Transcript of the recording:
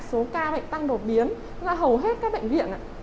số ca bệnh tăng đột biến hầu hết các bệnh viện